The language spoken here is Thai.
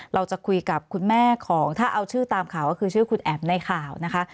เราจะคุยกับคุณแม่ของถ้าเอาชื่อตามข่าวก็คือชื่อคุณแอ๋มในข่าวนะคะ